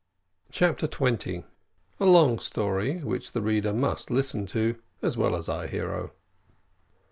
CHAPTER TWENTY. A LONG STORY, WHICH THE READER MUST LISTEN TO, AS WELL AS OUR HERO.